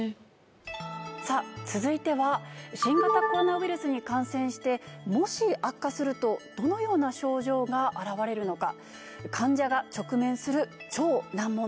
さぁ続いては新型コロナウイルスに感染してもし悪化するとどのような症状が表れるのか。